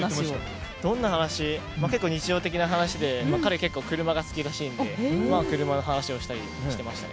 結構、日常的な話で彼、結構、車が好きらしいので車の話をしたりしてましたね。